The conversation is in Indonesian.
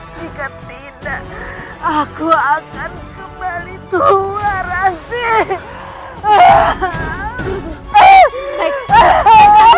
aku akan kembali tua rasin aku akan segera pergi bertahanlah disini